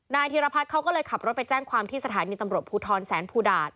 ธีรพัฒน์เขาก็เลยขับรถไปแจ้งความที่สถานีตำรวจภูทรแสนภูดาต